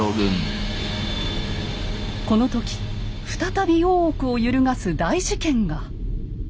この時再び大奥を揺るがす大事件が。